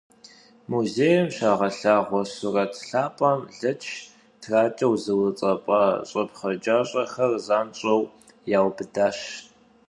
Музейм щагъэлъагъуэ сурэт лъапӏэм лэч тракӏэу зыуцӏэпӏа щӏэпхъэджащӏэхэр занщӏэу яубыдащ.